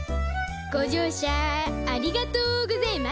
ごじょうしゃありがとうございます。